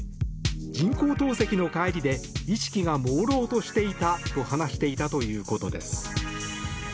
人工透析の帰りで意識がもうろうとしていたと話していたということです。